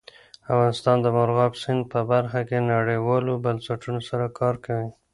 افغانستان د مورغاب سیند په برخه کې نړیوالو بنسټونو سره کار کوي.